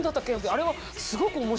あれはすごく面白いです。